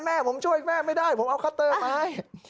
แม่ผมช่วยแม่ไม่ได้ผมเอาคัตเตอร์มาให้